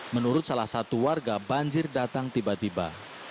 menurut salah satu warga banjir datang tiba tiba